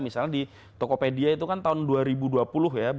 misalnya di tokopedia itu kan tahun dua ribu dua puluh ya